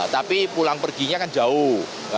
tapi pulang perginya kan jauh